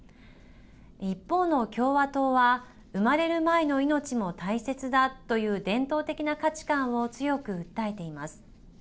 一方の共和党は産まれる前の命も大切だという伝統的な価値観を強く訴えています。